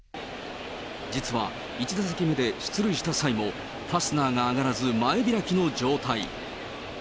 実は、１打席目で出塁した際も、ファスナーが上がらず、前開きの状態。